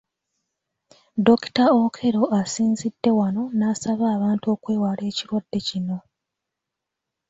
Dr. Okello asinzidde wano n’asaba abantu okwewala ekirwadde kino.